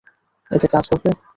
এতে কাজ হবে?